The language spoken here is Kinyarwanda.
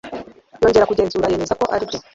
yongeye kugenzura yemeza ko aribyo